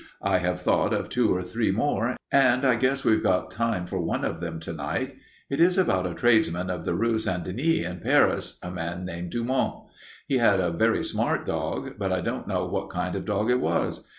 "I have thought of two or three more, and I guess we've got time for one of them to night. It is about a tradesman of the Rue St. Denis in Paris, a man named Dumont. He had a very smart dog, but I don't know what kind of dog it was.